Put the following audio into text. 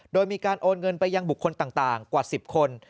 โดยมีการโอนเงินไปยังบุคคลต่างกว่า๑๐คน